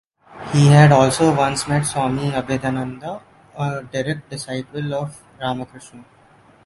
He had also once met Swami Abhedananda, a direct disciple of Ramakrishna.